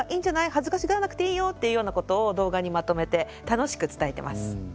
恥ずかしがらなくていいよっていうようなことを動画にまとめて楽しく伝えてます。